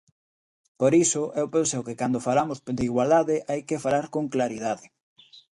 Por iso, eu penso que cando falamos de igualdade hai que falar con claridade.